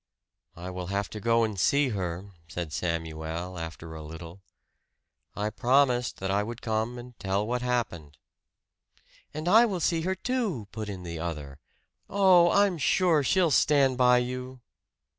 "I will have to go and see her," said Samuel after a little. "I promised that I would come and tell what happened." "And I will see her, too!" put in the other. "Oh, I'm sure she'll stand by you!"